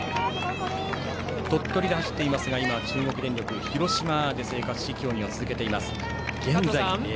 鳥取で走っていますが中国電力で広島で競技を続けています。